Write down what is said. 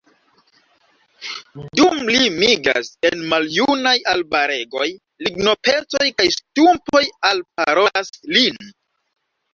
Dum li migras en maljunaj arbaregoj, lignopecoj kaj stumpoj “alparolas lin.